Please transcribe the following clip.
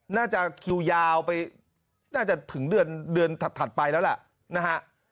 น่าจะคิวยาวไปน่าจะถึงเดือนเดือนถัดไปแล้วล่ะนะฮะ